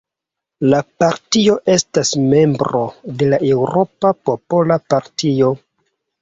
La partio estas membro de la Eŭropa Popola Partio.